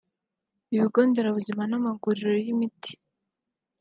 ibigo nderabuzima n’amaguriro y’imiti